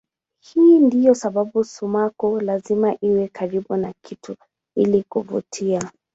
Hii ndiyo sababu sumaku lazima iwe karibu na kitu ili kuvutia.